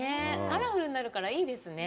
カラフルになるからいいですよね。